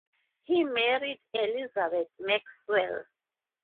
He married Elizabeth Maxwell.